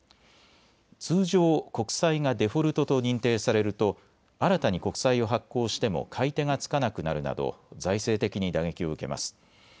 通常、国債がデフォルトと認定されると新たに国債を発行しても買い手がつかなくなるなど財政的に打撃を受けます。